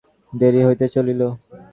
দেরি হইতে চলিল।